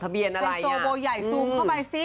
เป็นโซโบใหญ่ซุ้มเข้าไปซิ